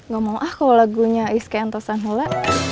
gak mau aku lagunya iskandar sanula